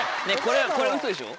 これウソでしょ？